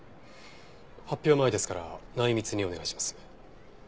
発表前ですから内密にお願いします。